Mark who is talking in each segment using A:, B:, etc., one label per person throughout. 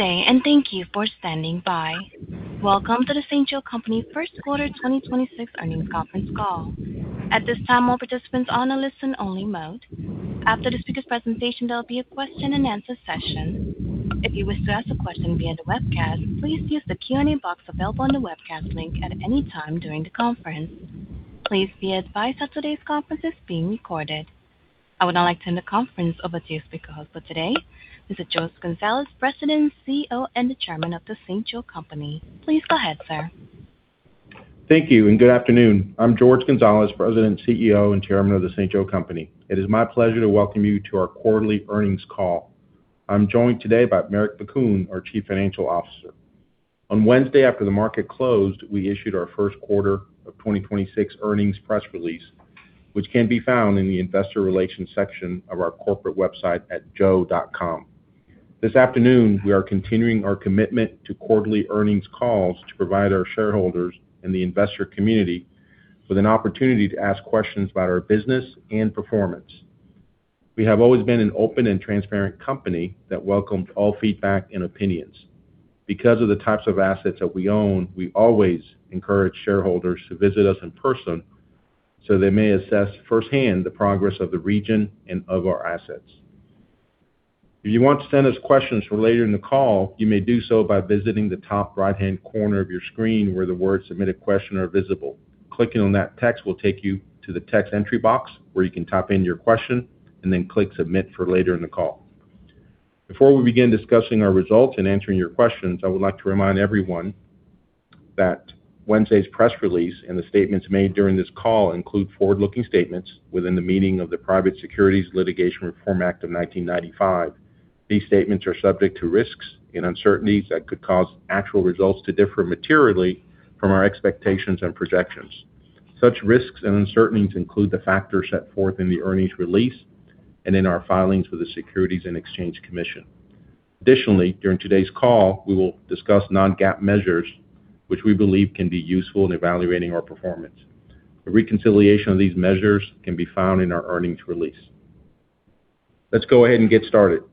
A: Day, thank you for standing by. Welcome to The St. Joe Company Q1 2026 Earnings Conference Call. At this time, all participants on a listen-only mode. After the speaker's presentation, there'll be a question-and-answer session. If you wish to ask a question via the webcast, please use the Q&A box available on the webcast link at any time during the conference. Please be advised that today's conference is being recorded. I would now like to turn the conference over to your speaker host for today, Mr. Jorge Gonzalez, President, CEO, and Chairman of The St. Joe Company. Please go ahead, sir.
B: Thank you. Good afternoon. I'm Jorge Gonzalez, President, CEO, and Chairman of The St. Joe Company. It is my pleasure to welcome you to our quarterly earnings call. I'm joined today by Marek Bakun, our Chief Financial Officer. On Wednesday, after the market closed, we issued our first quarter of 2026 earnings press release, which can be found in the investor relations section of our corporate website at joe.com. This afternoon, we are continuing our commitment to quarterly earnings calls to provide our shareholders and the investor community with an opportunity to ask questions about our business and performance. We have always been an open and transparent company that welcomed all feedback and opinions. Because of the types of assets that we own, we always encourage shareholders to visit us in person so they may assess firsthand the progress of the region and of our assets. If you want to send us questions for later in the call, you may do so by visiting the top right-hand corner of your screen where the words submit a question are visible. Clicking on that text will take you to the text entry box, where you can type in your question and then click submit for later in the call. Before we begin discussing our results and answering your questions, I would like to remind everyone that Wednesday's press release and the statements made during this call include forward-looking statements within the meaning of the Private Securities Litigation Reform Act of 1995. These statements are subject to risks and uncertainties that could cause actual results to differ materially from our expectations and projections. Such risks and uncertainties include the factors set forth in the earnings release and in our filings with the Securities and Exchange Commission. Additionally, during today's call, we will discuss non-GAAP measures, which we believe can be useful in evaluating our performance. A reconciliation of these measures can be found in our earnings release. Let's go ahead and get started.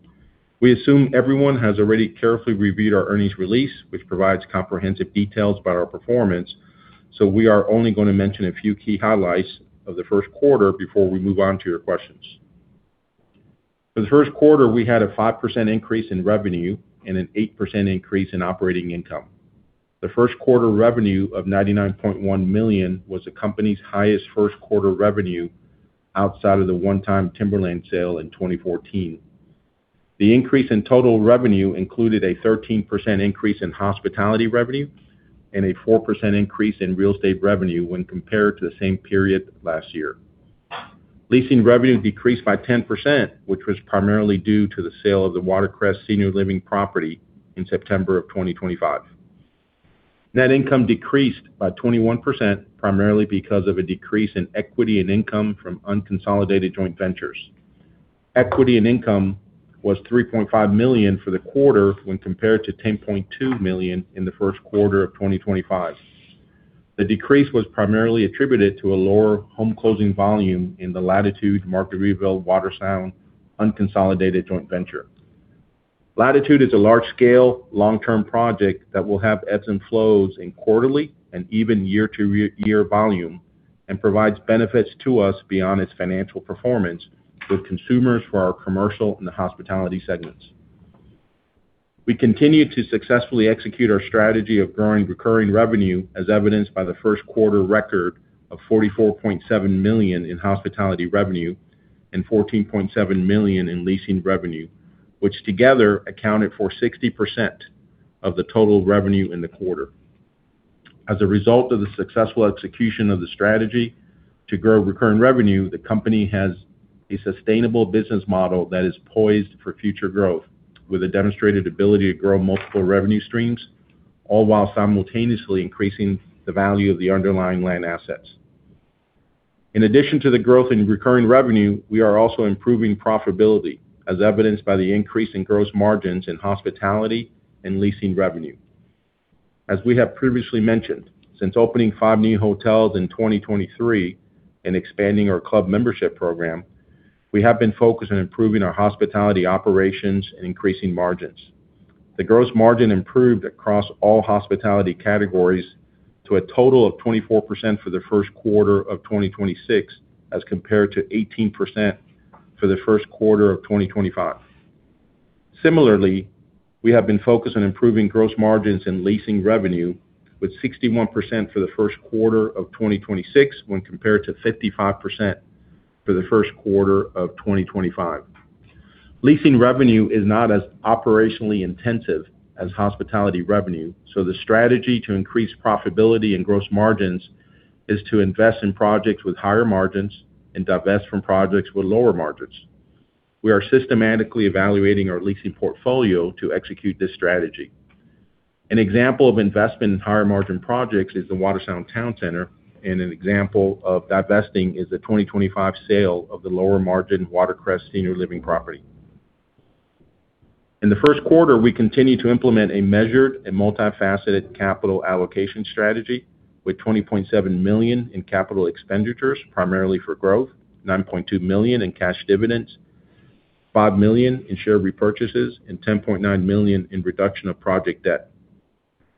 B: We assume everyone has already carefully reviewed our earnings release, which provides comprehensive details about our performance. We are only gonna mention a few key highlights of the first quarter before we move on to your questions. For the first quarter, we had a 5% increase in revenue and an 8% increase in operating income. The first quarter revenue of $99.1 million was the company's highest first quarter revenue outside of the one-time timberland sale in 2014. The increase in total revenue included a 13% increase in hospitality revenue and a 4% increase in real estate revenue when compared to the same period last year. Leasing revenue decreased by 10%, which was primarily due to the sale of the Watercrest senior living property in September of 2025. Net income decreased by 21%, primarily because of a decrease in equity and income from unconsolidated joint ventures. Equity and income was $3.5 million for the quarter when compared to $10.2 million in the first quarter of 2025. The decrease was primarily attributed to a lower home closing volume in the Latitude Margaritaville Watersound unconsolidated joint venture. Latitude is a large-scale, long-term project that will have ebbs and flows in quarterly and even year volume and provides benefits to us beyond its financial performance with consumers for our commercial and the hospitality segments. We continue to successfully execute our strategy of growing recurring revenue, as evidenced by the first quarter record of $44.7 million in hospitality revenue and $14.7 million in leasing revenue, which together accounted for 60% of the total revenue in the quarter. As a result of the successful execution of the strategy to grow recurring revenue, the company has a sustainable business model that is poised for future growth with a demonstrated ability to grow multiple revenue streams, all while simultaneously increasing the value of the underlying land assets. In addition to the growth in recurring revenue, we are also improving profitability, as evidenced by the increase in gross margins in hospitality and leasing revenue. As we have previously mentioned, since opening five new hotels in 2023 and expanding our club membership program, we have been focused on improving our hospitality operations and increasing margins. The gross margin improved across all hospitality categories to a total of 24% for the first quarter of 2026 as compared to 18% for the first quarter of 2025. Similarly, we have been focused on improving gross margins and leasing revenue with 61% for the first quarter of 2026 when compared to 55% for the first quarter of 2025. Leasing revenue is not as operationally intensive as hospitality revenue, so the strategy to increase profitability and gross margins is to invest in projects with higher margins and divest from projects with lower margins. We are systematically evaluating our leasing portfolio to execute this strategy. An example of investment in higher margin projects is the WaterSound Town Center, and an example of divesting is the 2025 sale of the lower margin Watercrest senior living property. In the first quarter, we continued to implement a measured and multifaceted capital allocation strategy. With $20.7 million in capital expenditures primarily for growth, $9.2 million in cash dividends, $5 million in share repurchases, and $10.9 million in reduction of project debt.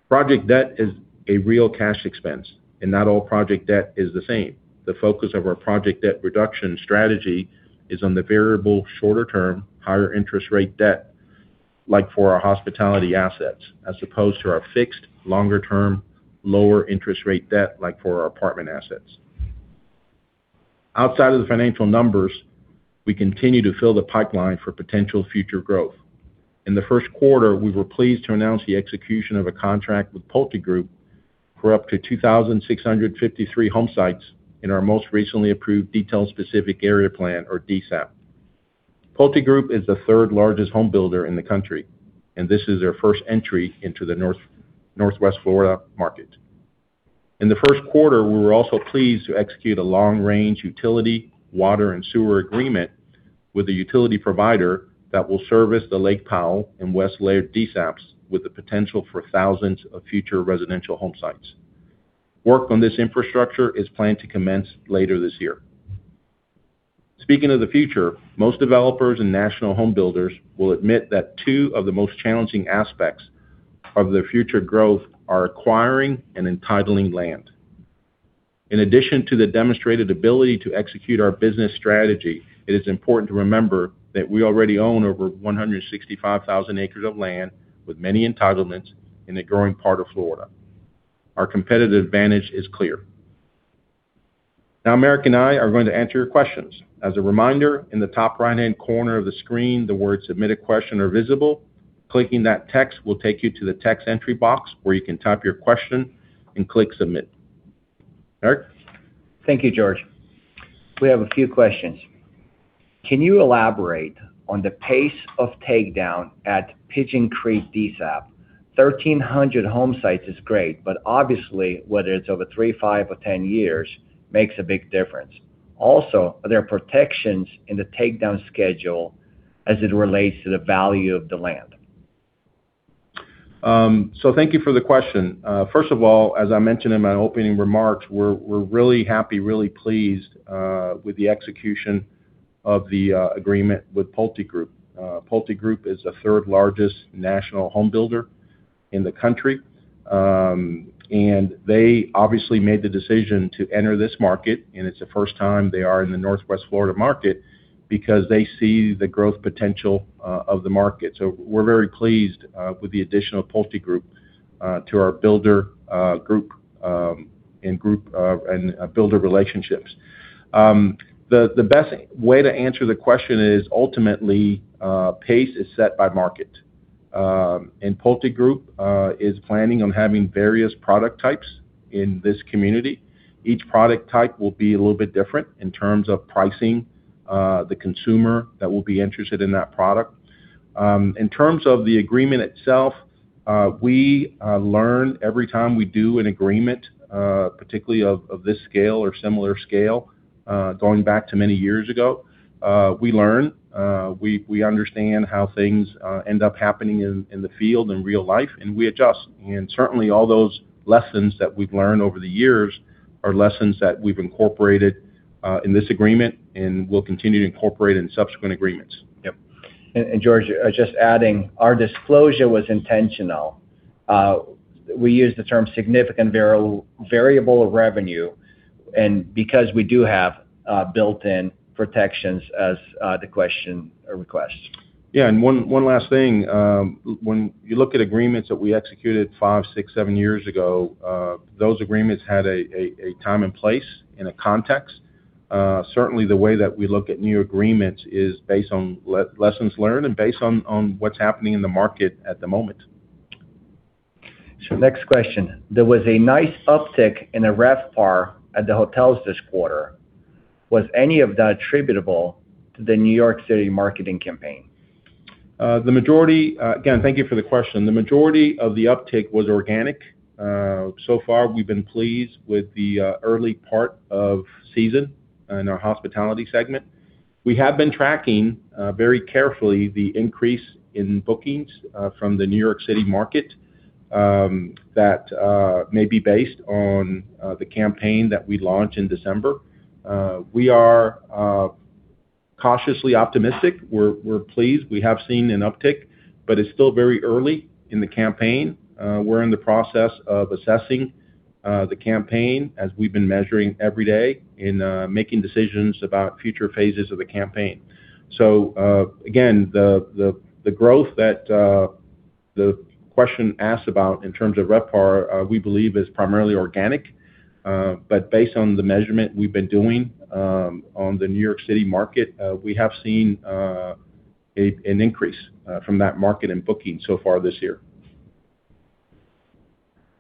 B: Project debt is a real cash expense, and not all project debt is the same. The focus of our project debt reduction strategy is on the variable shorter term, higher interest rate debt, like for our hospitality assets, as opposed to our fixed longer term, lower interest rate debt, like for our apartment assets. Outside of the financial numbers, we continue to fill the pipeline for potential future growth. In the first quarter, we were pleased to announce the execution of a contract with PulteGroup for up to 2,653 home sites in our most recently approved Detailed Specific Area Plan or DSAP. PulteGroup is the third-largest home builder in the country, this is their first entry into the Northwest Florida market. In the first quarter, we were also pleased to execute a long-range utility, water, and sewer agreement with the utility provider that will service the Lake Powell and West Laird DSAPs with the potential for thousands of future residential home sites. Work on this infrastructure is planned to commence later this year. Speaking of the future, most developers and national home builders will admit that two of the most challenging aspects of their future growth are acquiring and entitling land. In addition to the demonstrated ability to execute our business strategy, it is important to remember that we already own over 165,000 acres of land with many entitlements in the growing part of Florida. Our competitive advantage is clear. Now, Marek and I are going to answer your questions. As a reminder, in the top right-hand corner of the screen, the words Submit a Question are visible. Clicking that text will take you to the text entry box where you can type your question and click Submit. Marek?
C: Thank you, Jorge Gonzalez. We have a few questions. Can you elaborate on the pace of takedown at Pigeon Creek DSAP? 1,300 home sites is great, but obviously, whether it's over three, five, or 10 years makes a big difference. Also, are there protections in the takedown schedule as it relates to the value of the land?
B: Thank you for the question. First of all, as I mentioned in my opening remarks, we're really happy, really pleased with the execution of the agreement with PulteGroup. PulteGroup is the third-largest national home builder in the country. They obviously made the decision to enter this market, and it's the first time they are in the Northwest Florida market because they see the growth potential of the market. We're very pleased with the addition of PulteGroup to our builder group, and builder relationships. The best way to answer the question is ultimately, pace is set by market. PulteGroup is planning on having various product types in this community. Each product type will be a little bit different in terms of pricing, the consumer that will be interested in that product. In terms of the agreement itself, we learn every time we do an agreement, particularly of this scale or similar scale, going back to many years ago. We learn, we understand how things end up happening in the field in real life, and we adjust. Certainly, all those lessons that we've learned over the years are lessons that we've incorporated in this agreement and will continue to incorporate in subsequent agreements. Yep.
C: Jorge, just adding, our disclosure was intentional. We use the term significant variable of revenue and because we do have built-in protections as the question requests.
B: One last thing. When you look at agreements that we executed five, six, seven years ago, those agreements had a time and place and a context. Certainly, the way that we look at new agreements is based on lessons learned and based on what's happening in the market at the moment.
C: Next question. There was a nice uptick in the RevPAR at the hotels this quarter. Was any of that attributable to the New York City marketing campaign?
B: Thank you for the question. The majority of the uptick was organic. So far we've been pleased with the early part of season in our hospitality segment. We have been tracking very carefully the increase in bookings from the New York City market that may be based on the campaign that we launched in December. We are cautiously optimistic. We're pleased. It's still very early in the campaign. We're in the process of assessing the campaign as we've been measuring every day in making decisions about future phases of the campaign. Again, the growth that the question asks about in terms of RevPAR, we believe is primarily organic. Based on the measurement we've been doing, on the New York City market, we have seen an increase from that market in booking so far this year.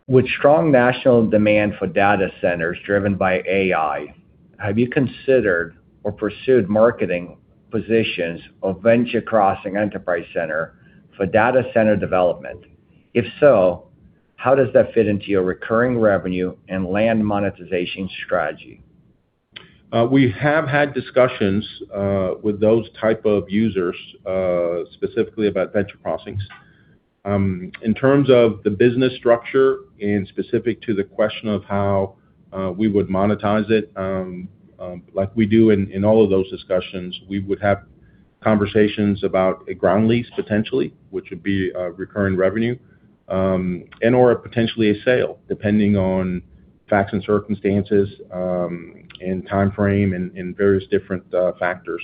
C: With strong national demand for data centers driven by AI, have you considered or pursued marketing positions of VentureCrossings Enterprise Centre for data center development? If so, how does that fit into your recurring revenue and land monetization strategy?
B: We have had discussions with those type of users specifically about VentureCrossings. In terms of the business structure and specific to the question of how we would monetize it, like we do in all of those discussions, we would have conversations about a ground lease potentially, which would be a recurring revenue, and or potentially a sale depending on facts and circumstances, and time frame and various different factors.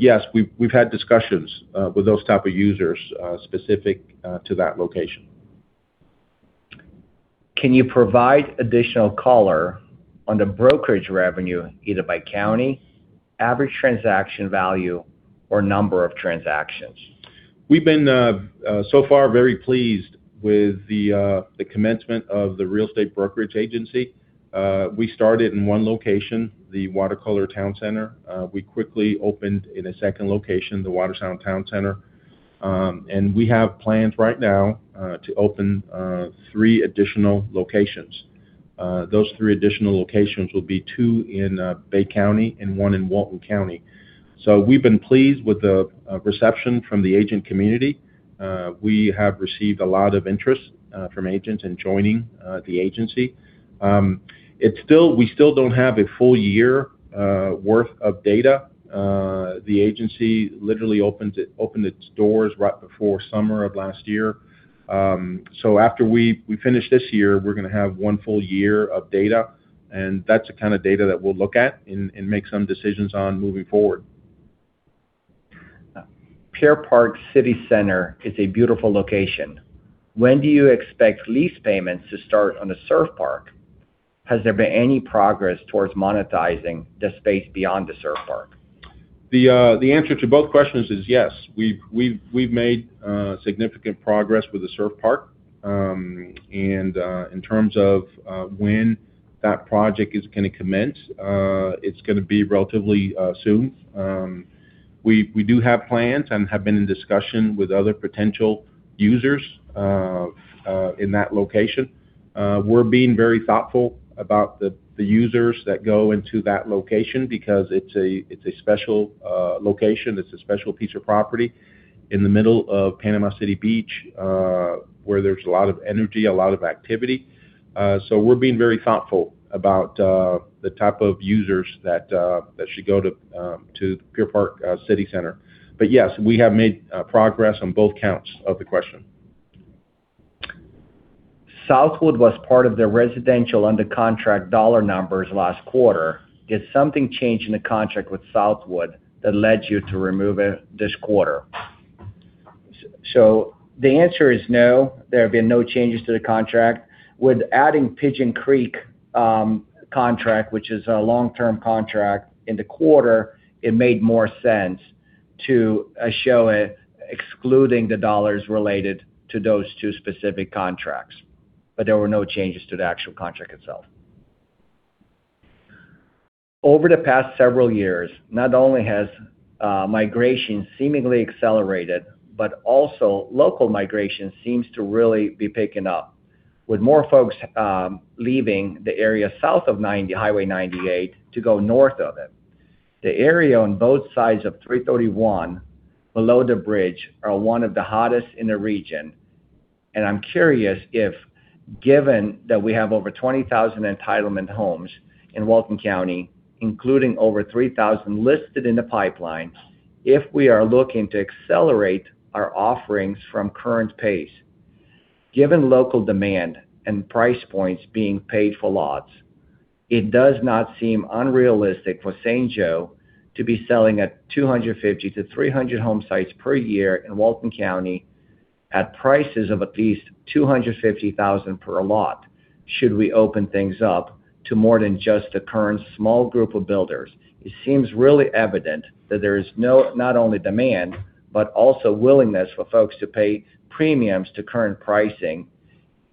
B: Yes, we've had discussions with those type of users specific to that location.
C: Can you provide additional color on the brokerage revenue, either by county, average transaction value, or number of transactions?
B: We've been so far very pleased with the commencement of the real estate brokerage agency. We started in one location, the WaterColor Town Center. We quickly opened in a second location, the WaterSound Town Center. We have plans right now to open three additional locations. Those three additional locations will be two in Bay County and one in Walton County. We've been pleased with the reception from the agent community. We have received a lot of interest from agents in joining the agency. We still don't have a full year worth of data. The agency literally opened its doors right before summer of last year. After we finish this year, we're gonna have one full year of data, and that's the kind of data that we'll look at and make some decisions on moving forward.
C: Pier Park City Center is a beautiful location. When do you expect lease payments to start on the surf park? Has there been any progress towards monetizing the space beyond the surf park?
B: The answer to both questions is yes. We've made significant progress with the surf park. In terms of when that project is gonna commence, it's gonna be relatively soon. We do have plans and have been in discussion with other potential users in that location. We're being very thoughtful about the users that go into that location because it's a special location. It's a special piece of property in the middle of Panama City Beach, where there's a lot of energy, a lot of activity. We're being very thoughtful about the type of users that should go to Pier Park City Center. Yes, we have made progress on both counts of the question.
C: Southwood was part of the residential under contract dollar numbers last quarter. Did something change in the contract with SouthWood that led you to remove it this quarter? The answer is no, there have been no changes to the contract. With adding Pigeon Creek, contract, which is a long-term contract, in the quarter, it made more sense to show it excluding the dollars related to those two specific contracts. There were no changes to the actual contract itself. Over the past several years, not only has migration seemingly accelerated, but also local migration seems to really be picking up, with more folks leaving the area south of Highway 98 to go north of it. The area on both sides of 331 below the bridge are one of the hottest in the region, and I'm curious if, given that we have over 20,000 entitlement homes in Walton County, including over 3,000 listed in the pipeline, if we are looking to accelerate our offerings from current pace. Given local demand and price points being paid for lots, it does not seem unrealistic for St. Joe to be selling at 250-300 home sites per year in Walton County at prices of at least $250,000 per lot, should we open things up to more than just the current small group of builders. It seems really evident that there is not only demand, but also willingness for folks to pay premiums to current pricing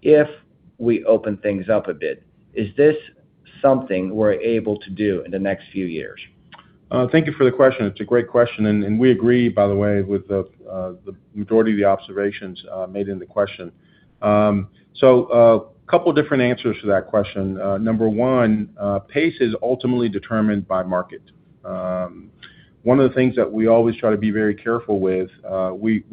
C: if we open things up a bit. Is this something we're able to do in the next few years?
B: Thank you for the question. It's a great question, and we agree, by the way, with the majority of the observations made in the question. Couple different answers to that question. Number one, pace is ultimately determined by market. One of the things that we always try to be very careful with, we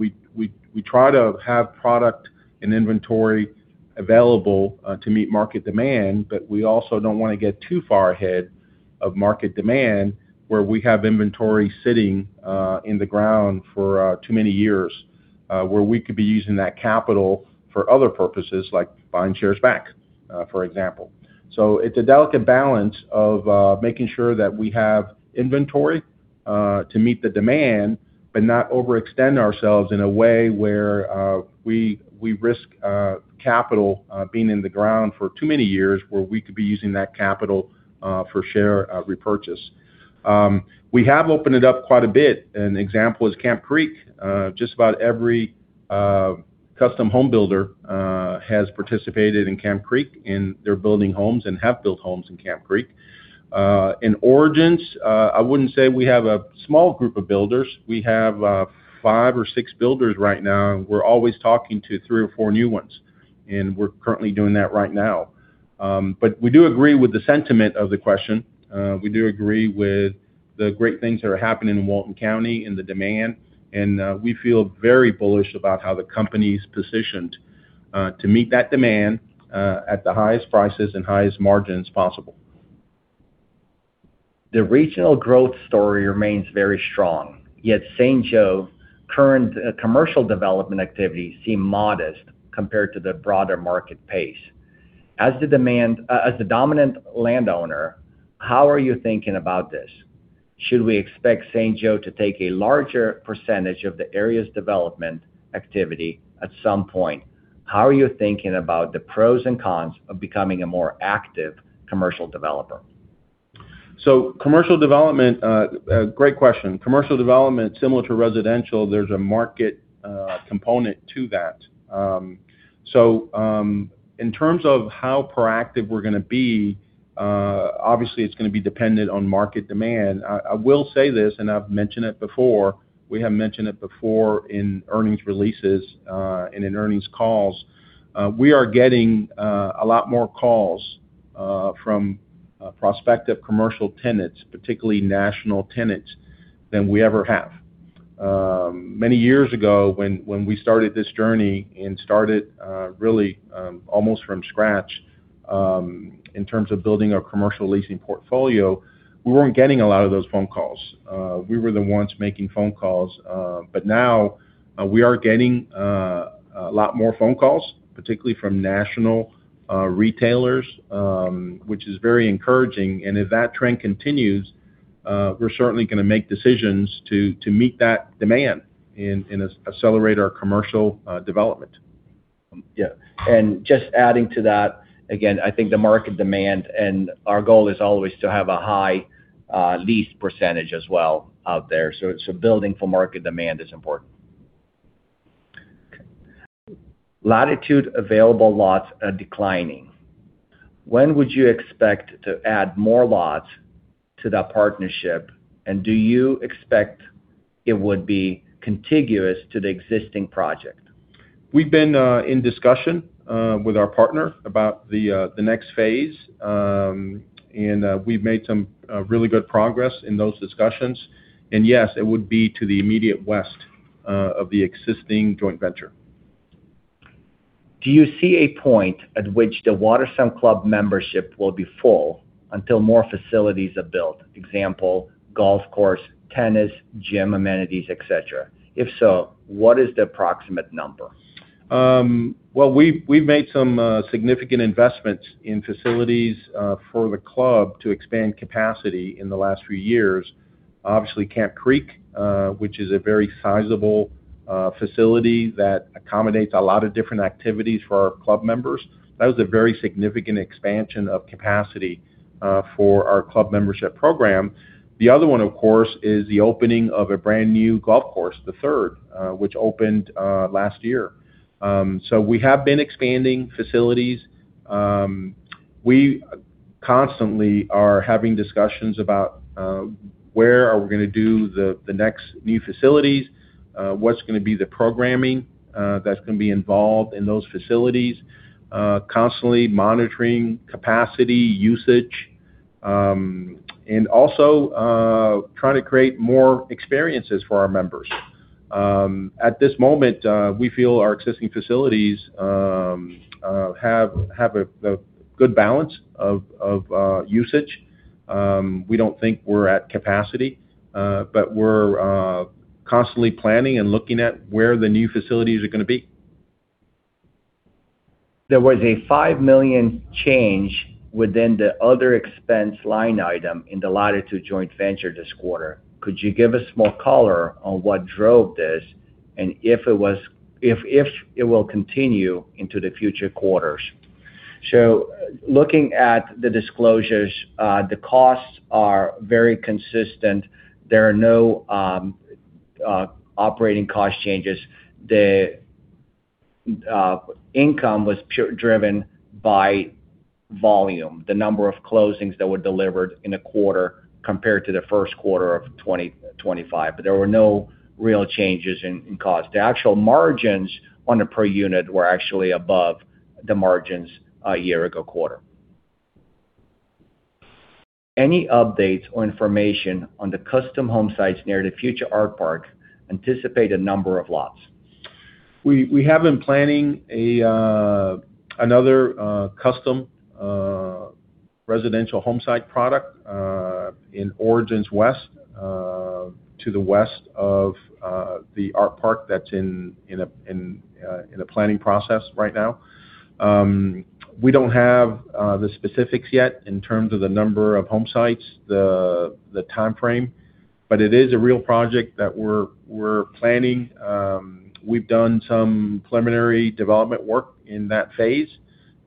B: try to have product and inventory available to meet market demand. We also don't wanna get too far ahead of market demand where we have inventory sitting in the ground for too many years, where we could be using that capital for other purposes like buying shares back, for example. It's a delicate balance of making sure that we have inventory to meet the demand but not overextend ourselves in a way where we risk capital being in the ground for too many years where we could be using that capital for share repurchase. We have opened it up quite a bit. An example is Camp Creek. Just about every custom home builder has participated in Camp Creek, and they're building homes and have built homes in Camp Creek. In Origins, I wouldn't say we have a small group of builders. We have five or six builders right now, and we're always talking to three or four new ones. We're currently doing that right now. We do agree with the sentiment of the question. We do agree with the great things that are happening in Walton County and the demand. We feel very bullish about how the company's positioned to meet that demand at the highest prices and highest margins possible.
C: The regional growth story remains very strong, yet St. Joe current commercial development activities seem modest compared to the broader market pace. As the dominant landowner, how are you thinking about this? Should we expect St. Joe to take a larger percentage of the area's development activity at some point? How are you thinking about the pros and cons of becoming a more active commercial developer?
B: Commercial development. Great question. Commercial development, similar to residential, there's a market component to that. In terms of how proactive we're gonna be, obviously it's gonna be dependent on market demand. I will say this, and I've mentioned it before, we have mentioned it before in earnings releases, and in earnings calls, we are getting a lot more calls from prospective commercial tenants, particularly national tenants, than we ever have. Many years ago when we started this journey and started really almost from scratch, in terms of building our commercial leasing portfolio, we weren't getting a lot of those phone calls. We were the ones making phone calls. But now, we are getting a lot more phone calls, particularly from national retailers, which is very encouraging. If that trend continues, we're certainly gonna make decisions to meet that demand and accelerate our commercial development.
C: Yeah. Just adding to that, again, I think the market demand and our goal is always to have a high lease percentage as well out there. Building for market demand is important. Latitude available lots are declining. When would you expect to add more lots to that partnership, and do you expect it would be contiguous to the existing project?
B: We've been in discussion with our partner about the next phase. We've made some really good progress in those discussions. Yes, it would be to the immediate west of the existing joint venture.
C: Do you see a point at which the Watersound Club membership will be full until more facilities are built? Example, golf course, tennis, gym amenities, et cetera. If so, what is the approximate number?
B: Well, we've made some significant investments in facilities for the club to expand capacity in the last few years. Obviously Camp Creek, which is a very sizable facility that accommodates a lot of different activities for our club members. That was a very significant expansion of capacity for our club membership program. The other one, of course, is the opening of a brand-new golf course, the third, which opened last year. We have been expanding facilities. We constantly are having discussions about where are we gonna do the next new facilities, what's gonna be the programming that's gonna be involved in those facilities, constantly monitoring capacity usage, and also trying to create more experiences for our members. At this moment, we feel our existing facilities have a good balance of usage. We don't think we're at capacity, but we're constantly planning and looking at where the new facilities are gonna be.
C: There was a $5 million change within the other expense line item in the Latitude joint venture this quarter. Could you give us more color on what drove this, and if it will continue into the future quarters? Looking at the disclosures, the costs are very consistent. There are no operating cost changes. The income was pure driven by volume, the number of closings that were delivered in a quarter compared to the first quarter of 2025. There were no real changes in cost. The actual margins on a per unit were actually above the margins a year ago quarter. Any updates or information on the custom home sites near the future Art Park? Anticipate a number of lots.
B: We have been planning another custom residential home site product in Origins West to the west of the Art Park that's in a planning process right now. We don't have the specifics yet in terms of the number of home sites, the timeframe, but it is a real project that we're planning. We've done some preliminary development work in that phase.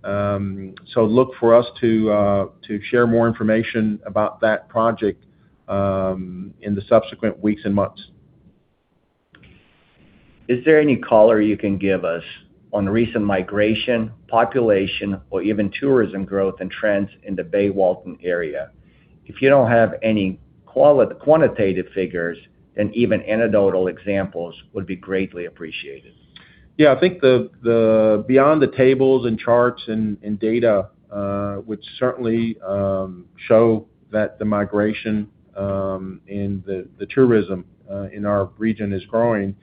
B: Look for us to share more information about that project in the subsequent weeks and months.
C: Is there any color you can give us on recent migration, population, or even tourism growth and trends in the Bay Walton area? If you don't have any quantitative figures, even anecdotal examples would be greatly appreciated.
B: Yeah. I think the beyond the tables and charts and data, which certainly show that the migration and the tourism in our region is growing,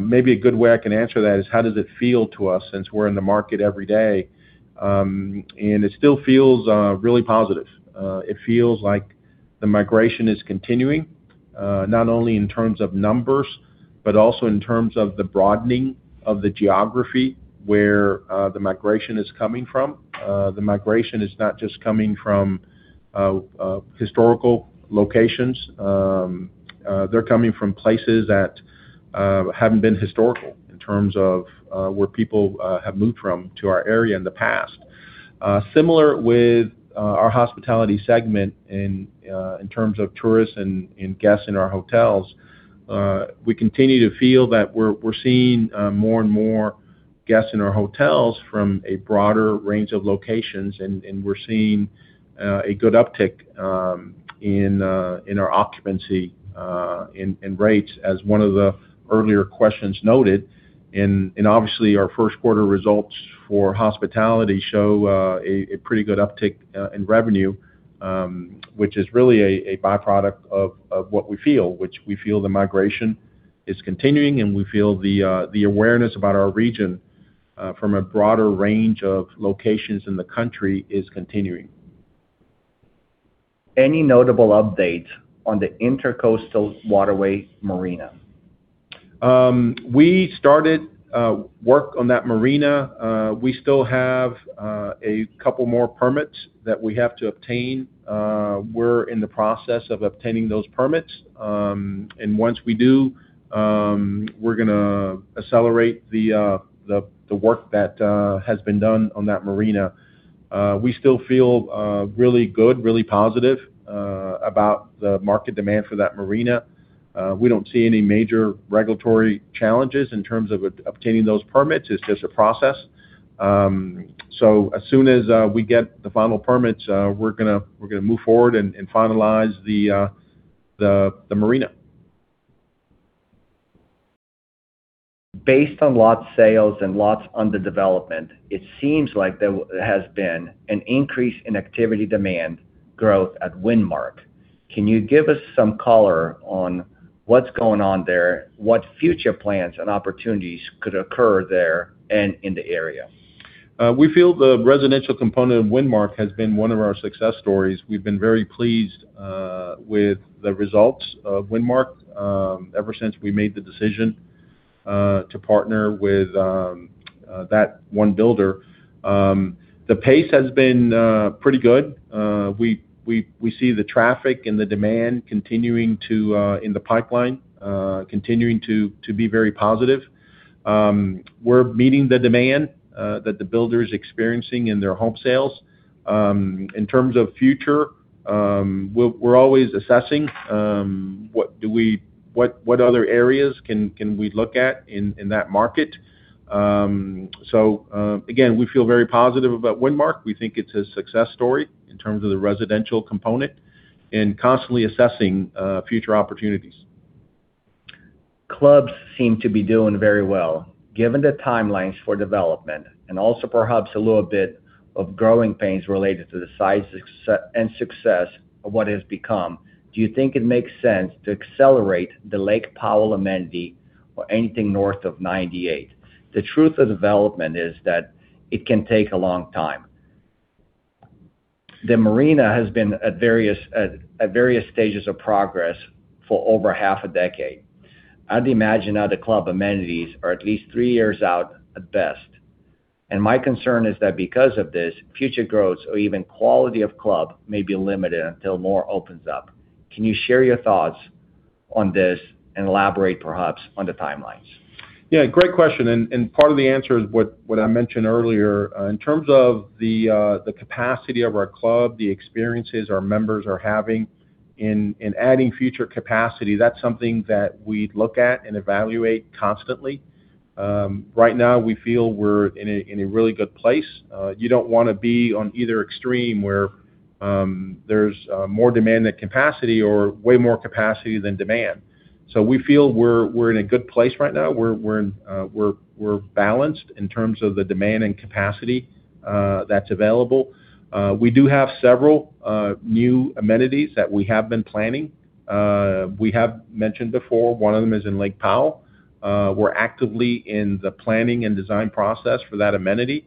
B: maybe a good way I can answer that is how does it feel to us since we're in the market every day. It still feels really positive. It feels like the migration is continuing, not only in terms of numbers, but also in terms of the broadening of the geography where the migration is coming from. The migration is not just coming from historical locations. They're coming from places that haven't been historical in terms of where people have moved from to our area in the past. Similar with our hospitality segment in terms of tourists and guests in our hotels, we continue to feel that we're seeing more and more guests in our hotels from a broader range of locations, and we're seeing a good uptick in our occupancy and rates as one of the earlier questions noted. Obviously, our first quarter results for hospitality show a pretty good uptick in revenue, which is really a by-product of what we feel the migration is continuing, and we feel the awareness about our region from a broader range of locations in the country is continuing.
C: Any notable updates on the Intracoastal Waterway Marina?
B: We started work on that marina. We still have a couple more permits that we have to obtain. We're in the process of obtaining those permits. Once we do, we're gonna accelerate the work that has been done on that marina. We still feel really good, really positive about the market demand for that marina. We don't see any major regulatory challenges in terms of obtaining those permits. It's just a process. As soon as we get the final permits, we're gonna move forward and finalize the marina.
C: Based on lot sales and lots under development, it seems like there has been an increase in activity demand growth at WindMark. Can you give us some color on what's going on there? What future plans and opportunities could occur there and in the area?
B: We feel the residential component of WindMark has been one of our success stories. We've been very pleased with the results of WindMark ever since we made the decision to partner with that one builder. The pace has been pretty good. We see the traffic and the demand continuing in the pipeline continuing to be very positive. We're meeting the demand that the builder is experiencing in their home sales. In terms of future, we're always assessing what other areas can we look at in that market. Again, we feel very positive about WindMark. We think it's a success story in terms of the residential component and constantly assessing future opportunities.
C: Clubs seem to be doing very well. Given the timelines for development and also perhaps a little bit of growing pains related to the size and success of what it has become, do you think it makes sense to accelerate the Lake Powell amenity or anything north of 98? The truth of development is that it can take a long time. The marina has been at various stages of progress for over half a decade. I'd imagine now the club amenities are at least three years out at best. My concern is that because of this, future growth or even quality of club may be limited until more opens up. Can you share your thoughts on this and elaborate perhaps on the timelines?
B: Great question, part of the answer is what I mentioned earlier. In terms of the capacity of our club, the experiences our members are having in adding future capacity, that's something that we look at and evaluate constantly. Right now we feel we're in a really good place. You don't wanna be on either extreme where there's more demand than capacity or way more capacity than demand. We feel we're in a good place right now. We're balanced in terms of the demand and capacity that's available. We do have several new amenities that we have been planning. We have mentioned before one of them is in Lake Powell. We're actively in the planning and design process for that amenity.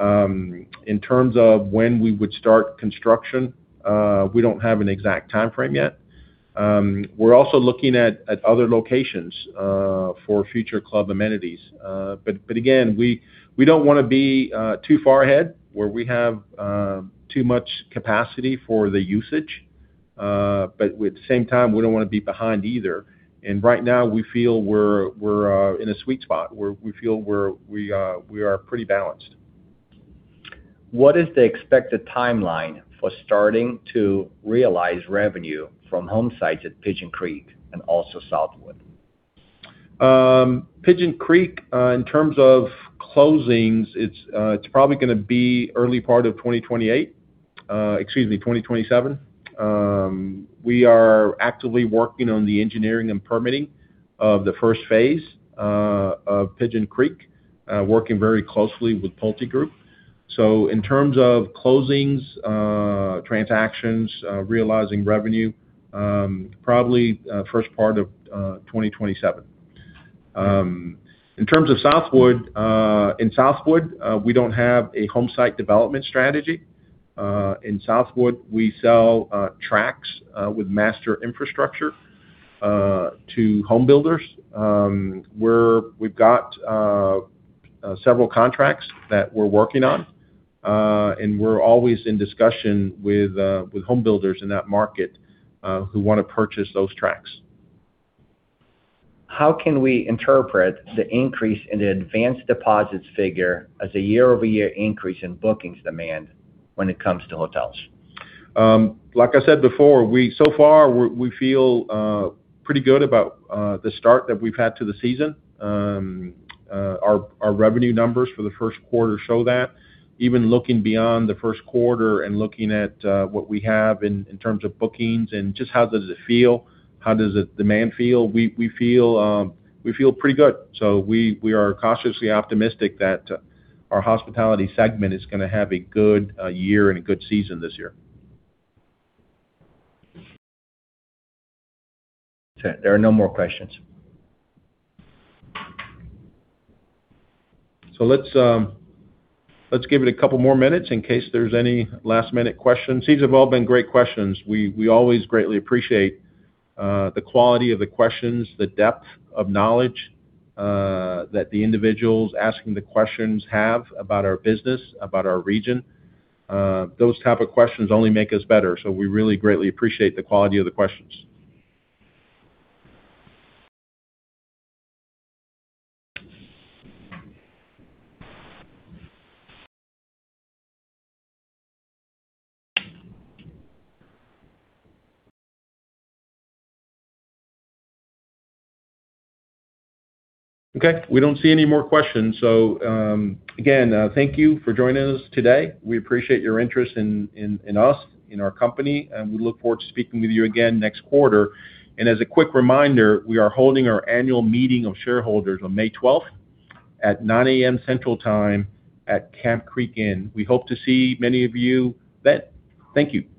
B: In terms of when we would start construction, we don't have an exact timeframe yet. We're also looking at other locations for future club amenities. But again, we don't wanna be too far ahead where we have too much capacity for the usage. But at the same time, we don't wanna be behind either. Right now we feel we're in a sweet spot, where we feel we are pretty balanced.
C: What is the expected timeline for starting to realize revenue from home sites at Pigeon Creek and also Southwood?
B: Pigeon Creek, in terms of closings, it's probably gonna be early part of 2028, excuse me, 2027. We are actively working on the engineering and permitting of the first phase of Pigeon Creek, working very closely with PulteGroup. In terms of closings, transactions, realizing revenue, probably first part of 2027. In terms of Southwood, in Southwood, we don't have a home site development strategy. In Southwood, we sell tracts with master infrastructure to home builders. We've got several contracts that we're working on, and we're always in discussion with home builders in that market who wanna purchase those tracts.
C: How can we interpret the increase in the advanced deposits figure as a year-over-year increase in bookings demand when it comes to hotels?
B: Like I said before, so far, we feel pretty good about the start that we've had to the season. Our revenue numbers for the first quarter show that. Even looking beyond the first quarter and looking at what we have in terms of bookings and just how does it feel, how does the demand feel, we feel pretty good. We are cautiously optimistic that our hospitality segment is gonna have a good year and a good season this year.
C: Okay. There are no more questions.
B: Let's give it a couple more minutes in case there's any last-minute questions. These have all been great questions. We always greatly appreciate the quality of the questions, the depth of knowledge that the individuals asking the questions have about our business, about our region. Those type of questions only make us better, so we really greatly appreciate the quality of the questions. Okay. We don't see any more questions. Again, thank you for joining us today. We appreciate your interest in us, in our company, and we look forward to speaking with you again next quarter. As a quick reminder, we are holding our annual meeting of shareholders on May 12 at 9:00 A.M. Central Time at Camp Creek Inn. We hope to see many of you then. Thank you.